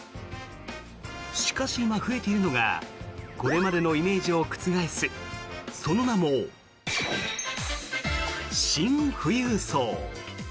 しかし、今増えているのがこれまでのイメージを覆すその名も、シン富裕層。